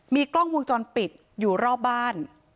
มีกล้องวงจรปิดอยู่รอบบ้าน